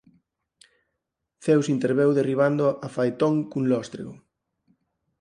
Zeus interveu derribando a Faetón cun lóstrego.